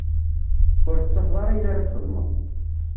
Ur tettafeḍ ara ayen ara txedmeḍ.